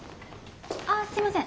あすいません。